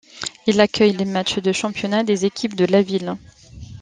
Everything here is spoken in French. Il accueille les matchs de championnat des équipes de la ville.